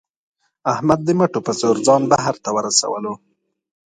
احمد د مټو په زور ځان بهر ته ورسولو.